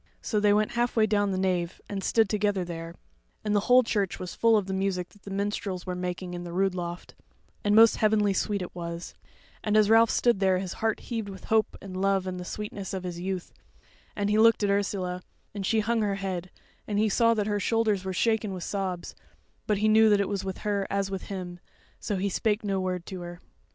So they went halfway down the nave, and stood together there; and the whole church was full of the music that the minstrels were making in the rood loft, and most heavenly sweet it was; and as Ralph stood there his heart heaved with hope and love and the sweetness of his youth; and he looked at Ursula, and she hung her head, and he saw that her shoulders were shaken with sobs; but he knew that it was with her as with him, so he spake no word to her.